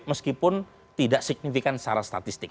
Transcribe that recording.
meskipun tidak signifikan secara statistik